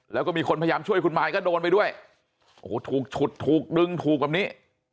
แล้วก็มีคนพยายามช่วยคุณมายก็โดนไปด้วยโอ้โหถูกฉุดถูกดึงถูกแบบนี้